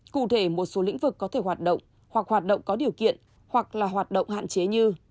cụ thể một số lĩnh vực có thể hoạt động hoặc hoạt động có điều kiện hoặc là hoạt động hạn chế như